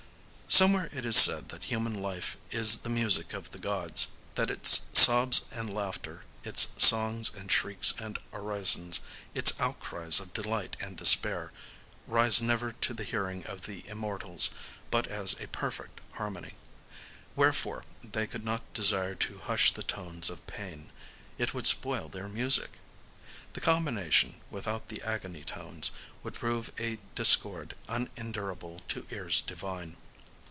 Somewhere it is said that human life is the music of the Gods,—that its sobs and laughter, its songs and shrieks and orisons, its outcries of delight and of despair, rise never to the hearing of the Immortals but as a perfect harmony…. Wherefore they could not desire to hush the tones of pain: it would spoil their music! The combination, without the agony tones, would prove a discord unendurable to ears divine.